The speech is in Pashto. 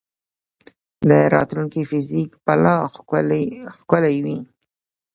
د راتلونکي فزیک به لا ښکلی وي.